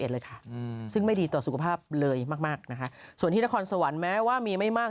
เลยค่ะอืมซึ่งไม่ดีต่อสุขภาพเลยมากมากนะคะส่วนที่นครสวรรค์แม้ว่ามีไม่มาก